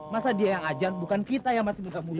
masa dia yang ajan bukan kita yang masih muda muda